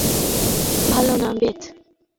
তোমার অবস্থা ভালো না, বেথ।